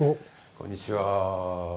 こんにちは。